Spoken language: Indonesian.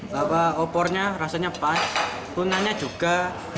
bahwa opornya rasanya pas tunanya juga